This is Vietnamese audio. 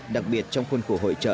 đặc biệt trong khuôn khổ hội trợ